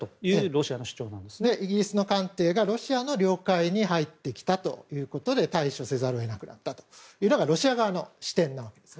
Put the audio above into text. イギリスの艦艇がロシアの領海に入ってきたということで対処せざるを得なくなったというのがロシア側の視点なわけですね。